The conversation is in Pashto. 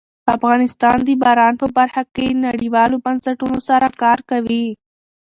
افغانستان د باران په برخه کې نړیوالو بنسټونو سره کار کوي.